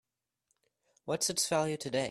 What's its value today?